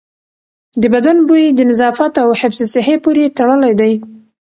د بدن بوی د نظافت او حفظ الصحې پورې تړلی دی.